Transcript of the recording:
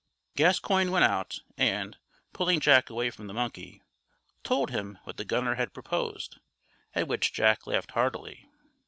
Gascoigne went out, and, pulling Jack away from the monkey, told him what the gunner had proposed, at which Jack laughed heartily.